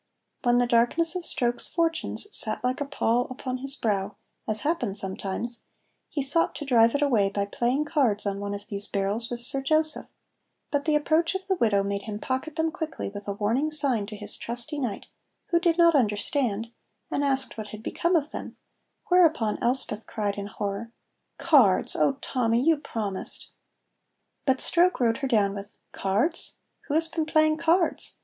When the darkness of Stroke's fortunes sat like a pall upon his brow, as happened sometimes, he sought to drive it away by playing cards on one of these barrels with Sir Joseph, but the approach of the Widow made him pocket them quickly with a warning sign to his trusty knight, who did not understand, and asked what had become of them, whereupon Elspeth cried, in horror: "Cards! Oh, Tommy, you promised " But Stroke rode her down with, "Cards! Wha has been playing cards?